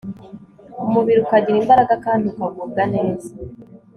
umubiri ukagira imbaraga kandi ukagubwa neza